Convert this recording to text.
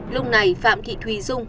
lúc này phạm thị thùy dung